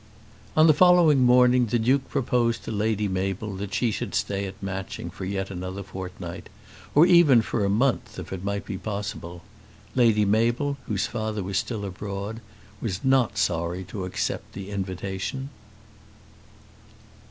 On the following morning the Duke proposed to Lady Mabel that she should stay at Matching for yet another fortnight, or even for a month if it might be possible. Lady Mabel, whose father was still abroad, was not sorry to accept the invitation.